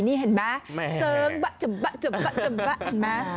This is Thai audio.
นี่เห็นไหมเสิงบะจึบบะจึบบะจึบบะเห็นไหม